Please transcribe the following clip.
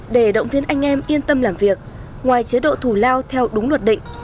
để động viên anh em yên tâm làm việc ngoài chế độ thủ lao theo đúng luật định